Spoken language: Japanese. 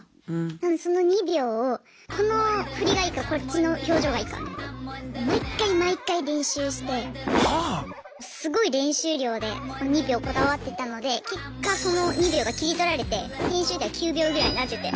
なのにその２秒をこの振りがいいかこっちの表情がいいか毎回毎回練習してすごい練習量でその２秒こだわってたので結果その２秒が切り取られて編集では９秒ぐらいになってて。